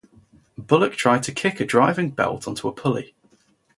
Bullock tried to kick a driving belt onto a pulley.